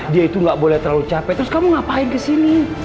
dia itu gak boleh terlalu capek terus kamu ngapain kesini